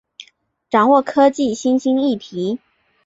掌握科技新兴议题